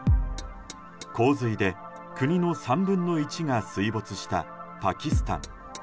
洪水で国の３分の１が水没したパキスタン。